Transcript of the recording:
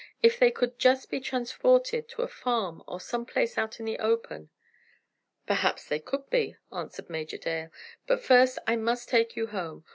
If they could just be transported to a farm, or some place out in the open!" "Perhaps they could be," answered Major Dale, "but first, I must take you home.